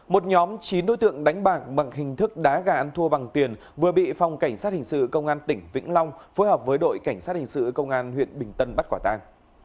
một nhóm chín đối tượng đánh bạc bằng hình thức đá gà ăn thua bằng tiền vừa bị phòng cảnh sát hình sự công an tỉnh vĩnh long phối hợp với đội cảnh sát hình sự công an huyện bình tân bắt quả tàng